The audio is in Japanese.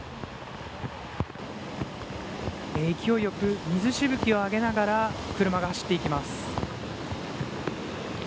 勢いよく水しぶきを上げながら車が走っていきます。